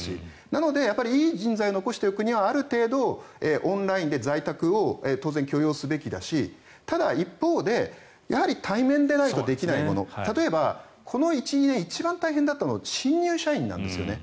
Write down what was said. なので、いい人材を残しておくにはある程度、オンラインで在宅を当然許容すべきだしただ、一方でやはり対面でないとできないもの例えば、この１２年一番大変だったのは新入社員なんですよね。